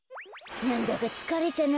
なんだかつかれたな。